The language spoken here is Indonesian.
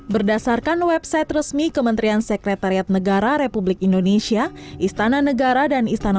berdasarkan website resmi kementerian sekretariat negara republik indonesia istana negara dan istana